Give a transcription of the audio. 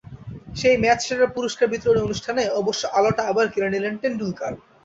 সেই ম্যাচ সেরার পুরস্কার বিতরণী অনুষ্ঠানে অবশ্য আলোটা আবার কেড়ে নিলেন টেন্ডুলকার।